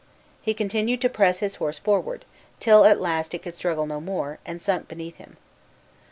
He continued to press his horse forward, till at last it could struggle no more, and sunk beneath him.